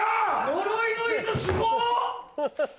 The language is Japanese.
呪いの椅子すご！